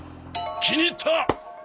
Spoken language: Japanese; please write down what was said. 気に入った！え？